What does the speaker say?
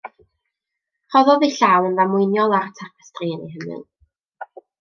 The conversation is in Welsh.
Rhoddodd ei llaw yn ddamweiniol ar y tapestri yn ei hymyl.